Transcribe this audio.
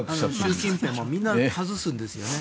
習近平もみんな外すんですよね。